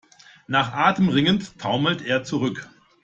Nach Atem ringend taumelt er zurück.